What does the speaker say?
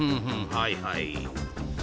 はいはい。